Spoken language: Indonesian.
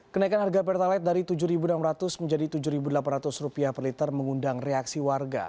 kenaikan harga pertalite dari rp tujuh enam ratus menjadi rp tujuh delapan ratus per liter mengundang reaksi warga